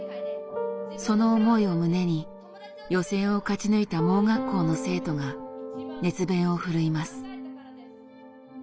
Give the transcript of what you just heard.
その思いを胸に予選を勝ち抜いた盲学校の生徒が熱弁を振るいます。